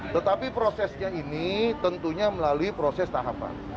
tetapi prosesnya ini tentunya melalui proses tahapan